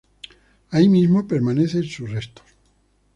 Ahí mismo permanecen sus restos.